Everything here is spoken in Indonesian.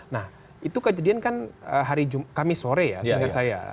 nah itu kejadian kan hari kamis sore ya seingat saya